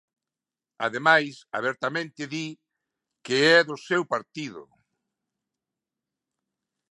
Ademais, abertamente di que é do seu partido.